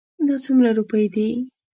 دا څومره روپی دي؟